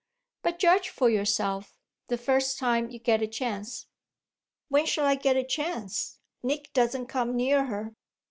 But judge for yourself the first time you get a chance." "When shall I get a chance? Nick doesn't come near her."